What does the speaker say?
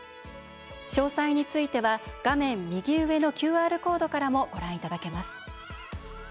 詳細については画面右上のＱＲコードからもご覧いただけます。